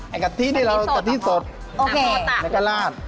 ไอ้กะทิที่เราไอ้กะทิสดไอ้กะลาด